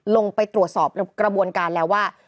ลงไปตรวจสอบกระบวนการแล้วว่า